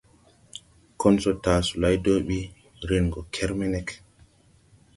Konsɔ taa solay do bi, ren gɔ kermeneg.